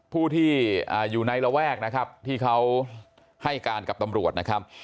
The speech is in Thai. ผู้ที่อยู่ในระแวกนะครับที่เขาให้การกับตำรวจนะครับ